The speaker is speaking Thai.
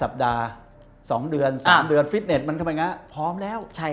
สัปดาห์๒เดือน๓เดือนฟิตเน็ตมันเข้าไปอย่างนั้นพร้อมแล้ว